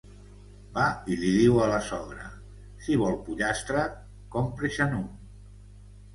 Va i li diu a la sogra: «Si vol pollastre, compre-se’n un».